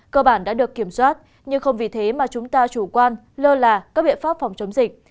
cơ bản đã được kiểm soát nhưng không vì thế mà chúng ta chủ quan lơ là các biện pháp phòng chống dịch